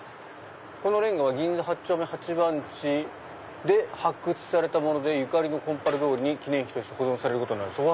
「この煉瓦は銀座八丁目八番地で発掘されたものでゆかりの金春通りに記念碑として保存される事になりました」。